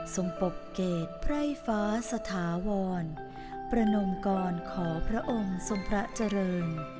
ปกเกตไพร่ฟ้าสถาวรประนมกรขอพระองค์ทรงพระเจริญ